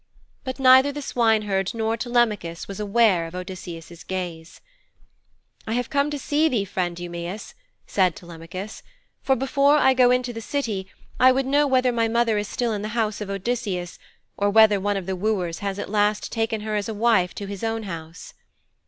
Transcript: But neither the swineherd nor Telemachus was aware of Odysseus' gaze. 'I have come to see thee, friend Eumæus,' said Telemachus, 'for before I go into the City I would know whether my mother is still in the house of Odysseus, or whether one of the wooers has at last taken her as a wife to his own house.'